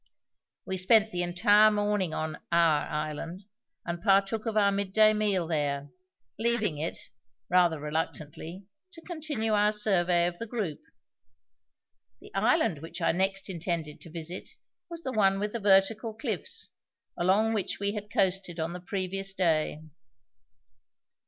We spent the entire morning on "our" island, and partook of our mid day meal there, leaving it, rather reluctantly, to continue our survey of the group. The island which I next intended to visit was the one with the vertical cliffs, along which we had coasted on the previous day.